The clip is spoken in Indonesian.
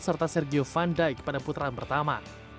serta sergio van dijk pada putaran pertama